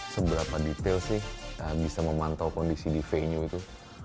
seberapa detail sih bisa memantau kondisi di venue itu